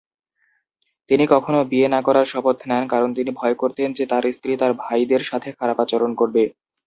তিনি কখনো বিয়ে না করার শপথ নেন কারণ তিনি ভয় করতেন যে তার স্ত্রী তার ভাইদের সাথে খারাপ আচরণ করবে।